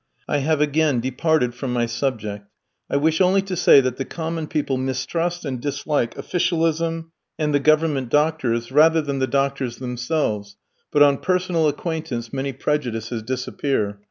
I have again departed from my subject; I wish only to say that the common people mistrust and dislike officialism and the Government doctors, rather than the doctors themselves; but on personal acquaintance many prejudices disappear.